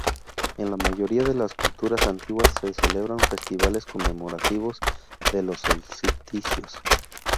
En la mayoría de las culturas antiguas se celebraban festivales conmemorativos de los solsticios.